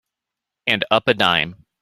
And up a dime.